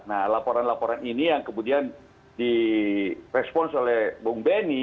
nah laporan laporan ini yang kemudian di respons oleh bung benny